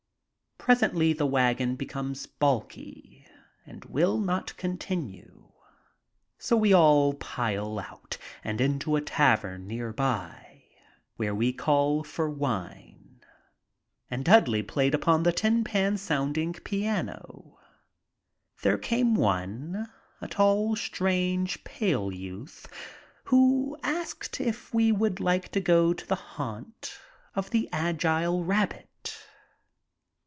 Presently the wagon becomes balky and will not continue. So we all pile out and into a tavern near by, where we call for wine. And Dudley played upon the tin pan sounding piano. There came one, a tall, strange, pale youth, who asked if we would like to go to the haunt of the Agile Rabbit.